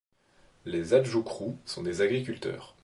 Les Adjoukrous sont des agriculteurs.